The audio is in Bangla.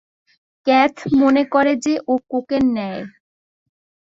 ক্যাথ মনে করে যে, ও কোকেন নেয়।